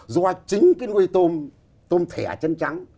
do chính cái nuôi tôm tôm thẻ chân trắng